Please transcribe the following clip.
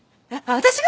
私が！？